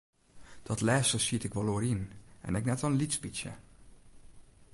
Dat lêste siet ik wol oer yn en ek net in lyts bytsje.